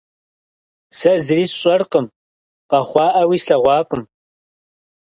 Сэ зыри сщӏэркъым, къэхъуаӏауи слъэгъуакъым.